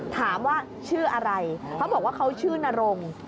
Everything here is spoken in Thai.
ถามว่าชื่ออะไรเขาบอกว่าเขาชื่อนรง